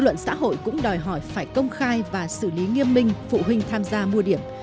cùng với thí sinh dư luận xã hội cũng đòi hỏi phải công khai và xử lý nghiêm minh phụ huynh tham gia mua điểm